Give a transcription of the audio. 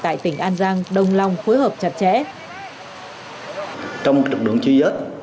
tại tỉnh an giang đồng lòng phối hợp chặt chẽ